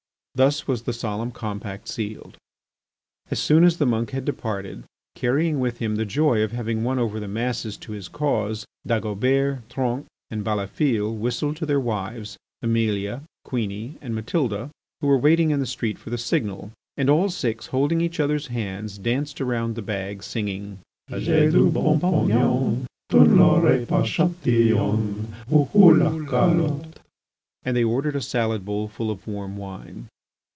Thus was the solemn compact sealed. As soon as the monk had departed, carrying with him the joy of having won over the masses to his cause, Dagobert, Tronc, and Balafille whistled to their wives, Amelia, Queenie, and Matilda, who were waiting in the street for the signal, and all six holding each other's hands, danced around the bag, singing: J'ai du bon pognon, Tu n'l'auras pas Chatillon! Hou! Hou! la calotte! And they ordered a salad bowl full of warm wine.